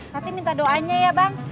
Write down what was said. nanti minta doanya ya bang